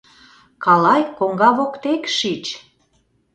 Калай коҥга воктек шич.